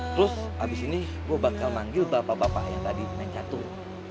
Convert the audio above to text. terus abis ini gue bakal manggil bapak bapak yang tadi naik jatuh